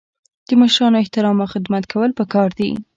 د مشرانو احترام او خدمت کول پکار دي.